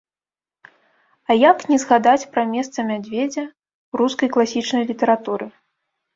А як не згадаць пра месца мядзведзя ў рускай класічнай літаратуры.